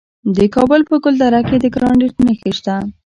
د کابل په ګلدره کې د ګرانیټ نښې شته.